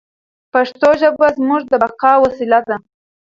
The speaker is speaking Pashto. پښتو ژبه زموږ د بقا وسیله ده.